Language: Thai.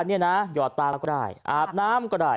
นี่นะหยอดตาก็ได้อาบน้ำก็ได้